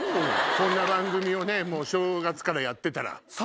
こんな番組をね正月からやってたら。